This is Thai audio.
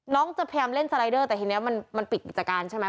จะพยายามเล่นสไลเดอร์แต่ทีนี้มันปิดกิจการใช่ไหม